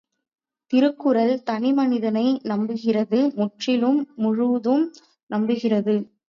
திருக்குறள் தனிமனிதனை நம்புகிறது முற்றிலும் முழுதும் நம்புகிறது.